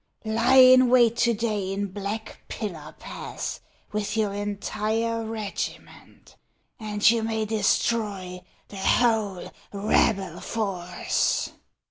Lie in wait to day in Black Pillar Pass with your entire regiment, and you may destroy the whole rebel force."